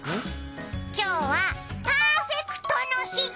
今日はパーフェクトの日。